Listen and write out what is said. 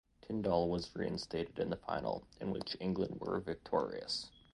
Tindall was reinstated in the final, in which England were victorious.